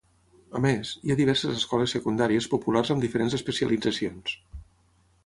A més, hi ha diverses escoles secundàries populars amb diferents especialitzacions.